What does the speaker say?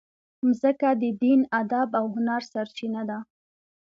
مځکه د دین، ادب او هنر سرچینه ده.